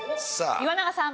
岩永さん。